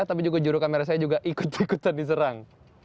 tapi juga juru kamera saya juga ikut ikutan diserang